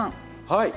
はい。